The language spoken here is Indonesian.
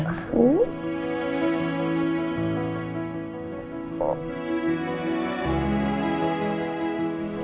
yang terakhir coba